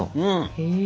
へえ。